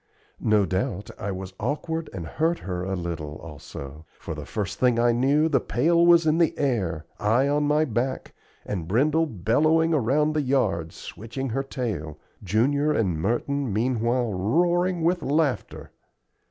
No doubt I was awkward and hurt her a little, also; for the first thing I knew the pail was in the air, I on my back, and Brindle bellowing around the yard, switching her tail, Junior and Merton meanwhile roaring with laughter.